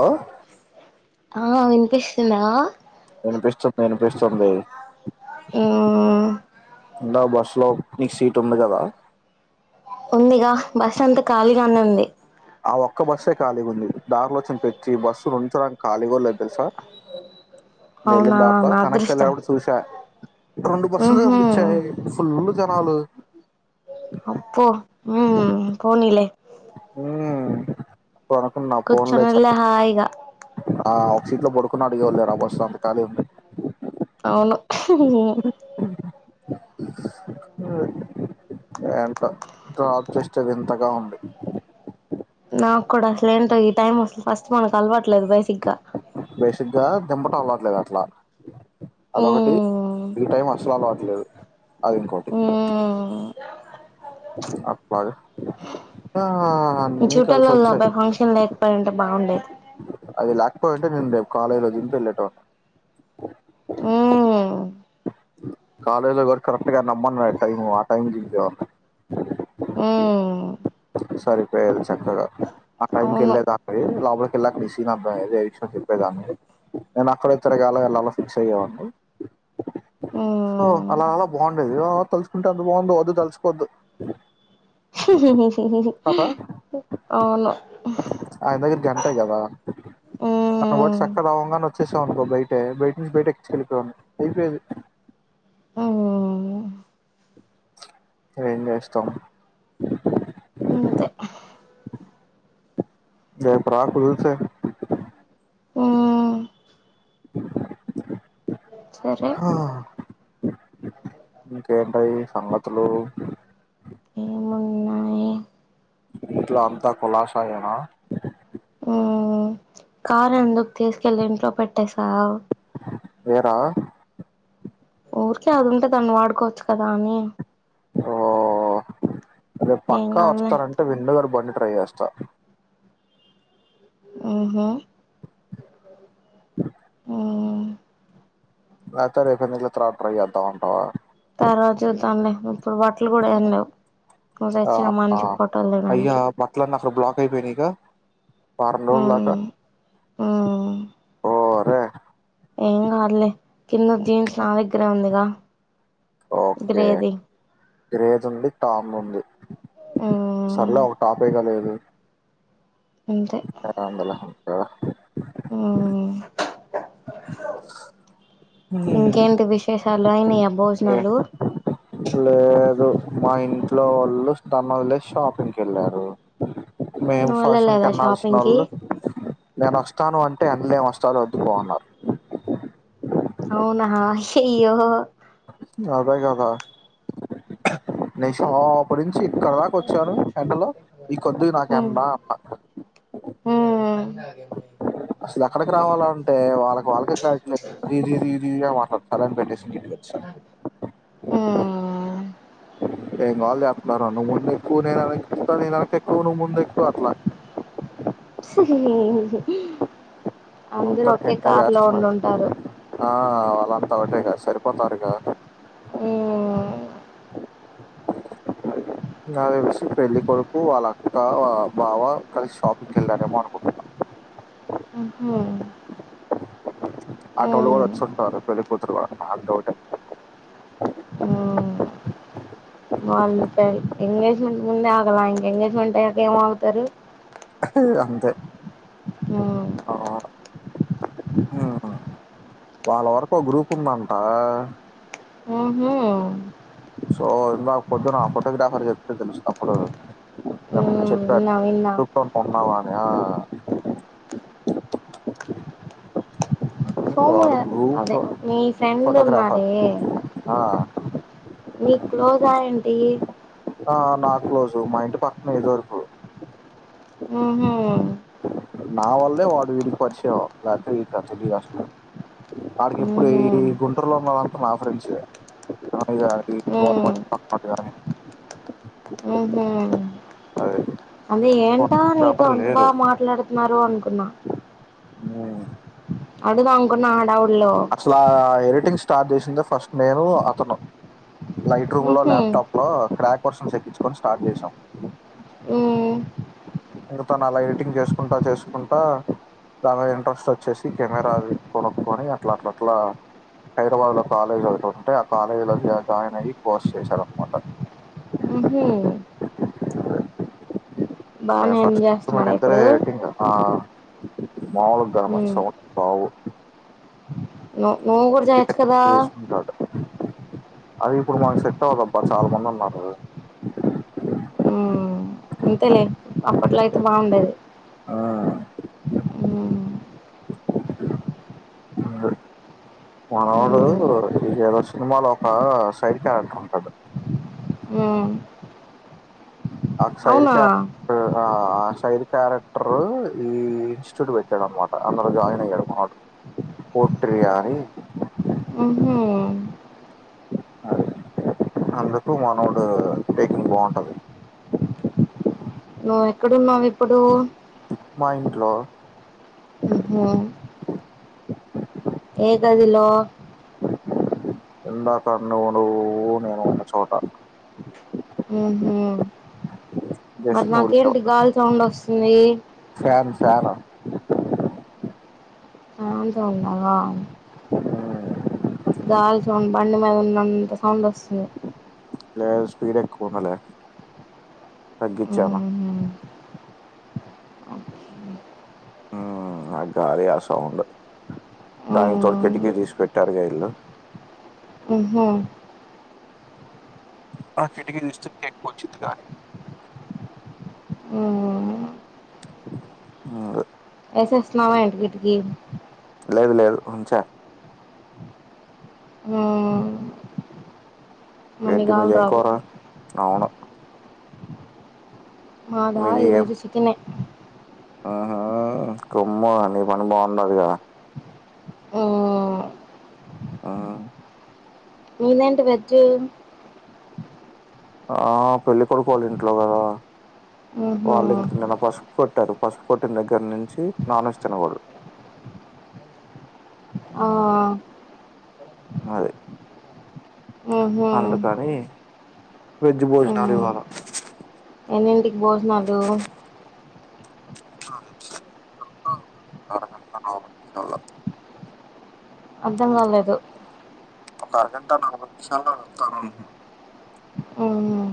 ఒ ఆ వినిపిస్తున్నా వినిపిస్తుంది పిస్తుంది మ్మ్ ద బస్ స్లోప్ నిక్ సీట్ ఉంది కదా ంత ఖాళీగానే ఉంది ఆ ఒక్క బస్సే ఖాళీ గుంది దారిలొచ్చిన ప్రతి బస్సు రొంచన ఖాళీగూలేదు తెలుసా నేను వెళ్ళిన అవునా దారిలో నా వెనక్కి అదృష్టం వెళ్ళేటప్పుడు చూసా రెండు బస్సులు ఊహు కనిపించాయి ఫుల్ జనాలు అప్ప పోనీలే ఆ కూర్చునలె హాయిగా ఆ ఒక సీట్లో పడుకున్న అడిగేవాళ్ళేరు ఆ బస్సు లో అంతఖాళీ ఉంది అవును ఏంటో డ్రాప్ జేస్తే వింతగా ఉంది నాకు కూడా అసలే ఏంటో ఈ టైమ్ అసలు ఫస్ట్ మనకు అలవా ట్లేదు బేసిగ్గా దింపట అలవట్లేదు అట్లా అదొకటి మ్మ్ ఈ టైం అసలు అలవట్లేదు అది ఇంకోటి మ్మ్ అప్పగా చుట్టాలొల్ల ఫంక్షన్ దే అయుంటే బాగుండేది అది లేకపోయి ఉంటే నేను రేపు కాలేజీలో దింపి ఎల్లేటోన్ని ఊ కాలేజ్ లో కూడా కర్రెక్ట్ గా నమ్మం రా టైమ్ ఆ టైంకి దింపేవాన్ని మ్మ్ సరిపోయేది చక్కగా ఆ టైంకి అవును యెళ్ళేదారి లోపలికి వెళ్ళాక మిస్సింగ్ విషయం చెప్పేదాన్ని నేను అక్కడొచ్చి అడడగాల వెళ్ళాల ఫిక్స్ అయ్యేవాని సో అలా అలా మ్మ్ బాగుండేది అ తలుచుకుంటే అంత బాగుందో వద్దు వద్దు తలుల్చుకోవద్దు పాపా అవును అదై తీర్ గంటే కదా అట్లపోతే హ్మ్ సక్కగ అవ్వంగానే వచ్చేసావనుకో బయటే [unintelligible] హ్మ్ ఎం జేస్తాం అంతే రేపు రాకు రూసే హ్మ్ సరే హా ఇంకేంటయ్యి సంగతులు ఏమున్నాయి ఇంట్లో అంతా కులాసాయేనా హ్మ్ కార్ ఎందుకు తీసుకెళ్ళి ఇంట్లో పెట్టేసావ్ వేరా ఊరికే అది ఉంటే దాన్ని వాడుకోవచ్చు కదా అని హో రేపు ఏం పక్కా కాదులే వస్తారంటే వెండు గారి బండి ట్రై చేస్తా ఊహూ ఓ రాతిపై పోయిందంటే తరవాత ట్రై చేద్దాం ఉంటావా తార్వాత చూద్దాం లే ఇప్పుడు బట్టలు కూడా ఏం లేవు నువ్వు ఆ తెచ్చిన ఆ మంచి ఫోటోలు అయ్యా దిగడానికి బట్టలన్నీ బ్లాక్ అయిపోయినయిగా వారం రోజులు దాకా హ్మ్ హ్మ్ ఓర్ రే ఏం కాదులే కింద జీన్స్ నా దగ్గరే ఉందిగా ఓకే గ్రేది గ్రేజ్ ఉంది టామ్ ఉంది హ్మ్ సర్లే ఒక టాపే కాలేదు అంతే [unintelligible] బెలహం ఓ మ్మ్ ఇంకేంటి విశేష్ చల్లగైనయి ఎమ్ లే లేదు మా ఇంట్లో వాళ్ళు స్తన్ వదిలేస్ షాపింగ్ కి వెళ్ళారు మేము నువ్వు ఫ్యాషన్ వెళ్ళలేదా కెన్నాల్సిన షాపింగ్ కి వోళ్ళు నేను వస్తాను అంటే అన్లే ఏం వస్తావులే వద్దుపో అన్నారు అవునా హయ్యో అదే గదా నేషినావా అప్పడికి ఇక్కడి దాక వచ్చారు ఎండలో ఈ కొద్దిగ నాకెండా అంట హుమ్ అసలు ఎక్కడికి రావాల అంటే వాళ్ళకి వాళ్ళకే క్లారిటీ లేదు ఇది ఇది ఇది మాట్లాడ అదని పెట్టేస్ సను ఆ ఏం గోల చెత్తున్నరో నువ్వు ముందు ఎక్కు నేను ఎనక ఎక్కుత నెన్ ఎనకెక్కు నువ్ ముందు ఎక్కు అట్లా సరే అందరికీ ఇట్నే చేస్తున్నార్ ఆ వాళ్ళంతా ఒకటే గా సరి పోతరుగా ఆ నాక్ తెలిసి పెళ్లి కొడుకు వాళ్ళ అక్క బావ కలిసి షాపింగ్ కెళ్ళారేమో అనుకుంటున్నా మ్మ్ ఆటోలో కూడా మ్మ్ వచేసుంటరు పెళ్ళికూతురు వాలు మా అన్న ఒకటే వాళ్ళ ఎంగేజ్మెంట్ ముందే ఆగల ఇంకా ఎంగేజ్మెంట్ అయ్యాక ఏం ఆగుతరు అంతే హుమ్ ఆ, వాళ్ళ వరకు ఒక గ్రూప్ ఉందంటా ఓహో సో ఇందాక పొద్దున అమ్మదగ్గర అందరూ చెప్తే తెలిసింది అప్పుడు మ్మ్ సరే విన్నా విన్నా గ్రూప్ లో ఉన్నావా ఆ వాడు సోముగా గ్రూప్ అదే మీ ఫ్రెండ్ ఫోటోగ్రాఫర్ ఉన్నాడే ఆ మీక్ క్లోజా ఏంటి ఆ నా క్లోజు మా ఇంటి పక్కన ఇది వరకు హూహు నా వల్లే వాడు వీడికి పరిచయం లేకపోతే వీడికి తెలిదు అసలు వాడికి ఇప్పుడు ఊహూ ఈ గుంటూరులో ఉన్నోలంత నాఫ్రెండ్స్ ఏ కానీ ఊ అది ఊహూ అదే ఏం నీతో ఎవరు అంత లేరు బాగా మాట్లాడు మరో అనుకున్నా అడు అంకున్న ఆడా అసలా ఎరిట్ ఎడిటింగ్ స్టార్ట్ చేసిందె ఫస్ట్ నేను అతను లైట్ రూమ్ లో ఊహూ ల్యాప్ టాప్ లో క్రాక్ వెర్షన్ చేపించుకొని కొని స్టార్ట్ చేసాం ఊ తను అలా ఎడిటింగ్ చేసుకుంటా చేసుకుంటా బాగా ఇంట్రెస్ట్ వచ్చేసి కెమెరాది కొనుక్కొని అట్లా అట్లా అట్లా హైదరాబాద్లో కాలేజ్ ఒకటి ఉంటె ఆ కాలేజీలో జాయిన్ అయ్యి కోర్స్ చేశారన్నమాట హుమ్ హు సబ్స్ ఎంజాయ్ మేం చేస్తున్నాడా ఇద్దరె ఇప్పుడు ఎడిటింగ్ ఆ మామూలు గాదు ఊ మన్ సౌ కావు న నువ్వుకూడా జయచ్చు కదా తీసుకుంటాడు అది ఇప్పుడు మనకు సెట్ అవదబ్బా చాలా మంది ఉన్నారు అంతెలే అప్పట్లో అయితే బాగుండేది ఉ ఊ మనోడు ఏదో సినిమాలో ఒక సైడ్ క్యారెక్టర్ ఉంటాది ఊ ఆసైడ్ అవునా క ఆ సైడ్ క్యారెక్టర్ ఈ ఇన్స్టిట్యూట్ పెట్టాడు అనమాట అందులో జాయిన్ అయ్యాడు మనోడు పోట్రి అని ఊహూ అందుకు మానోడు టేకింగ్ బాగుంటుంది నువ్వు ఎక్కడున్నావు ఇప్పుడు మ ఇంట్లో ఉ హో ఏ గదిలో ఇందాకన్నవును నేను ఉన్న చోట ఊహు మరి జస్ట్ నువ్వు లేవు నాకేంటి గాలి సౌండ్ వస్తుం ది ఫ్యాన్ ఫ్యాను ఫ్యాన్ సౌండ్ ఆ ఉ గాలి సౌండ్ బండి మీద ఉన్న అంత సౌండ్ వస్తుంది స్పీడ్ ఎక్కువుంది లే తగ్గించను ఉహు ఉ ఆ గాలి ఆ సౌండ్ ఉ దాని తోటి కటికీ తీసి పెట్టారుగా ఇల్లు ఉహు ఆ కిటికీ దస్తు కే ఎక్క్కవచ్చిది గాలి ఉ ఉ వేసేస్తున్నావా కిటికీ లేదు లేదు ఉంచ ఉ మళ్ళీ ఏమిటి గాలి మీది ఏమీ రాదు కూర? అవును, మాదా మీది ఏం ఈరోజు చికేనే ఆహా కొమ్ము నీ పని బాగుండదిగా ఉ ఆ మీనడి వెజ్ ఆ పెళ్ళికడుకువాల ఇంట్లో కదా ఉహు వాళం నినపాస్సుపు కొట్టారు పసుపు కొట్టిన దగ్గర నుంచి నాన్ వెజ్ తినగోడదు ఆ అది ఉహు అందుకని వెజ ఉ భోజనాలఇవ్వాల ఎన్నింటికి భోజనాలు నకుతెలిసి ఒక అరగంట పావు గంట అర్ధం కాలేదు ఒక అరగంట నలభై నిమిషాల వెళ్తాను అవునా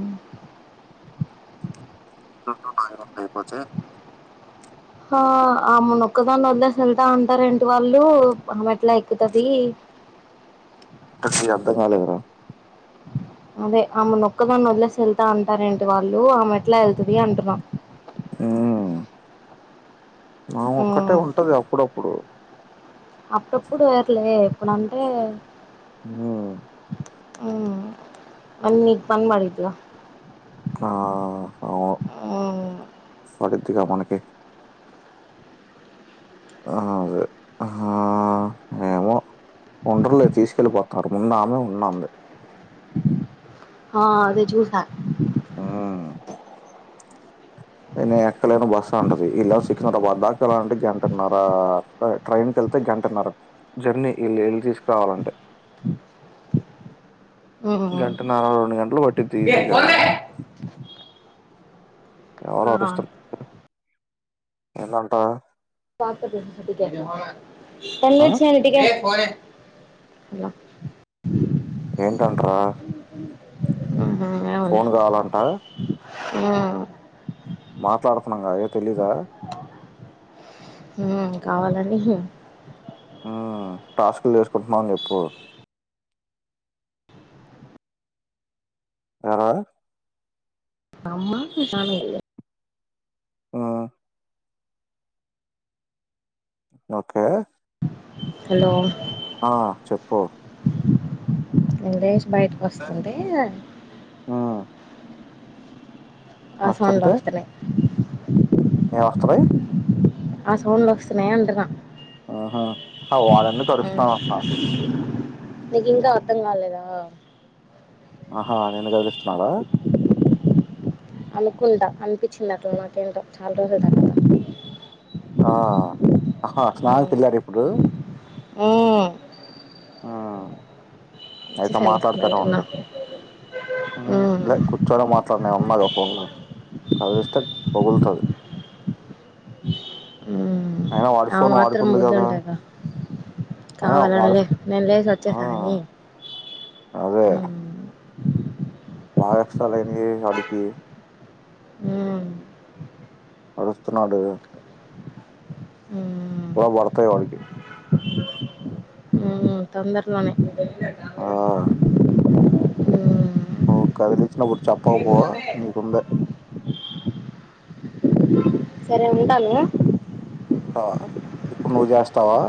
నీ రెండు నాగు రెండు అయిపోతే ఆ అమ్ మునొక్కదాన్ని వదిలేసి వెళ్తా అంటార ఏంటి వాళ్ళు అమె ఎట్లా ఎక్కుతది కొంచెం అర్థం కాలేదురా అదే ఆమె నొక్కదాన్ని వదిలేసి వెళ్తా అంటార ఏంటి వాళ్ళు ఆమె ఎట్లా వెళ్తుది అంటున్న హ మా ఒక్కటే మ్మ్ ఉంటది అప్పుడప్పుడు అప్పుడప్పుడు వేర్లే ఇప్పుడు అంటే ఉ ఉ అన్ని పని [unintelligible] ఆ అ మ్మ్ పడుద్దిగా మనకి అ అదే ఆ ఏమో ఉండర్లే తీసుకెళ్ళిపోతారు ముందు ఆమె ఉన్నంది ఆ అదే చూసా ఉ న ఎక్కలేన బస్సు అంటది ఇళ సికిన్నర వద్దాకాలా అంటే గంటన్నర ట్రైన్ క వెళ్తే గంటన్నర జర్నీళ్ళళ్ళ తీసుకురావాలంటే మ్మ్ గంటన్నర రెండు గంటలుట్టి ట్టింది ఈసీ గా ఎవరు అరుస్తు ఎలాంటా సార్ తో చెపుతా [unintelligible] ఆ! హాలో ఏంటంట్రా ఫోన్ కావాలంట ఉ మాట్లాడుతున్నాంగా ఏ తెలీదా కావాలండి ఉ టాస్క్లు చేసుకుంటున్నాం అని చెప్పు ఎర మామ [unintelligible] ఉ ఓకే హలో ఆ చెప్పు ఎంటే బయటకీ వస్తుంటే హ్మ్. ఆ నెక్స్ట్ సౌండ్లు అంటే వస్తున్నాయి ఏం వస్తున్నాయి నా సౌండ్లు వస్తున్నాయా అంటున్న ఆహా ఆహా వాడెందుకు ఉ అరుస్తున్నాడు అంటున్నా అసలు నీకు ఇంకా అర్ధం కాలేదా అ ఆహా నేను కదిలిస్తున్నాడా అనుకుంటా అనిపించిందట్లు మాకేంటో చాలా రోజు ద ఆ ఆహా స్నానంనికి వెళ్ళారా ఇప్పుడు ఉమ్. ఆ అయితే వచ్చేసాను మాట్లాడుతనే ఉం బయటున్నా ఉమ్. లే కూర్చోని మాట్లాడ ఉన్నాద ఫోన్ లో కదష్ట బళతారు ఉమ్. ఆ మాత్రం బుద్ధి ఉంటాద అయినా కావాలని వాడు లే నేను లేసి ఆ వచ్చేసా అని అదే ఉమ్. బాగా కష్టాలుయింది వాడికి హ అస్తునాడు ఉమ్. ఎలా వడర్తయ వాడికి ఉమ్. తొందరలోనే ఆ ఆ ర్ కదిలిచ్చినప్పుడు చెప్పకపో నీకుందా సరే ఉంటాను ఉంటావా ఇప్పుడు నువ్వు చేస్తావా